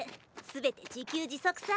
全て自給自足さ。